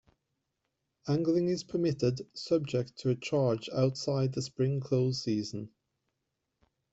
Angling is permitted subject to a charge outside the spring close season.